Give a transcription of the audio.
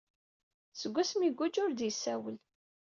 Seg asmi iguǧǧ ur d-yessawel.